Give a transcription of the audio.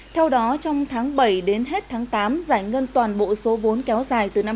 theo đó trong tháng bảy đến hết tháng tám giải ngân toàn bộ số vốn kéo dài từ năm hai nghìn hai mươi